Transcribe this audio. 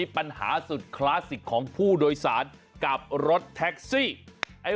ปัญหาสุดคลาสสิกของผู้โดยสารกับรถแท็กซี่